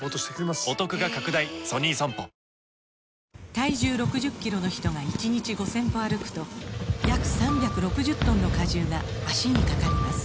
体重６０キロの人が１日５０００歩歩くと約３６０トンの荷重が脚にかかります